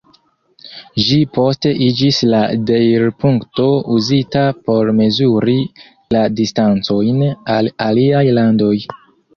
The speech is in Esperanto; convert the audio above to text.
Ĝi poste iĝis la deirpunkto uzita por mezuri la distancojn al aliaj landoj.